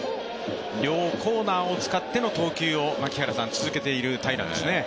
両コーナーを使っての投球を続けている平良ですね。